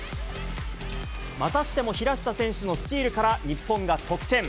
またしても平下選手のスチールから、日本が得点。